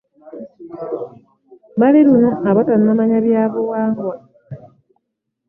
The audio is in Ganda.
Bali luno abatannamanya byabuwangwa.